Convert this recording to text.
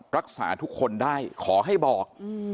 รักษาทุกคนได้ขอให้บอก